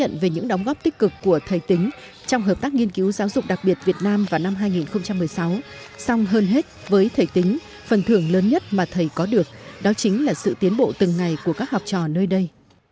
nhận về những đóng góp tích cực của thầy tính trong hợp tác nghiên cứu giáo dục đặc biệt việt nam vào năm hai nghìn một mươi sáu song hơn hết với thầy tính phần thưởng lớn nhất mà thầy có được đó chính là sự tiến bộ từng ngày của các học trò nơi đây